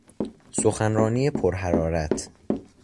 سخنرانی پر حرارت